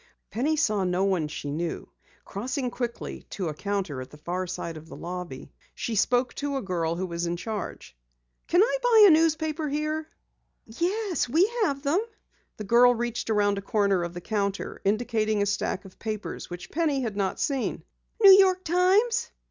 Penny saw no one that she knew. Crossing quickly to a counter at the far side of the lobby, she spoke to a girl who was in charge. "Can I buy a newspaper here?" "Yes, we have them." The girl reached around a corner of the counter, indicating a stack of papers which Penny had not seen. "New York Times?"